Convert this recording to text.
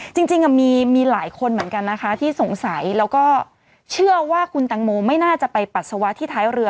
จริงมีหลายคนเหมือนกันนะคะที่สงสัยแล้วก็เชื่อว่าคุณตังโมไม่น่าจะไปปัสสาวะที่ท้ายเรือ